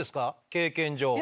経験上。